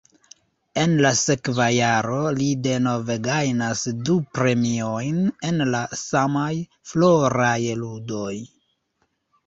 En la sekva jaro li denove gajnas du premiojn en la samaj Floraj Ludoj.